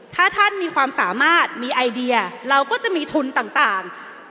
ถ้าท่านมีความสามารถมีไอเดียเราก็จะมีทุนต่าง